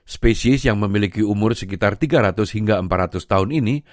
spesies yang memiliki umur sekitar tiga ratus hingga empat ratus tahun ini